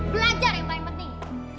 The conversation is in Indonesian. belajar yang paling penting